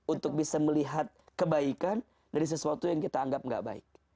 untuk bisa melihat kebaikan dari sesuatu yang kita anggap gak baik